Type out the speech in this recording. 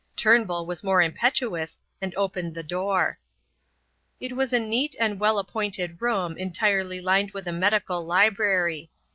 Turnbull was more impetuous, and opened the door. It was a neat and well appointed room entirely lined with a medical library.